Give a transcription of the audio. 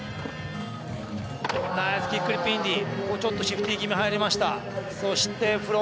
ナイス、キックフリップインディ。